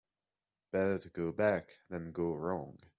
Better to go back than go wrong.